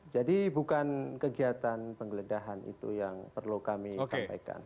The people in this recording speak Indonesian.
jadi bukan kegiatan penggeledahan itu yang perlu kami sampaikan